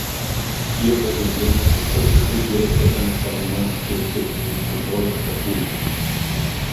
Тия обявления се пръскаха от дирекцията на Саломоновския цирк на Соболевска улица.